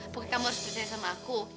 bukan kamu harus percaya sama aku